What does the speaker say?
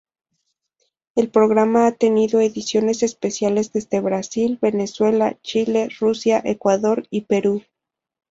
El programa ha tenido ediciones especiales desde Brasil, Venezuela, Chile, Rusia, Ecuador y Perú.